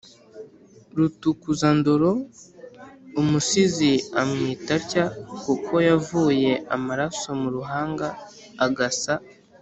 rutukuzandoro: umusizi amwita atya kuko yavuye amaraso mu ruhanga agasa